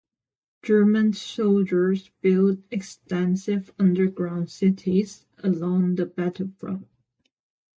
German soldiers built extensive "underground cities" along the battlefront.